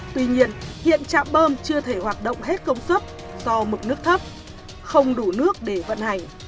tuy nhiên hiện trạm bơm chưa thể hoạt động hết công suất do mực nước thấp không đủ nước để vận hành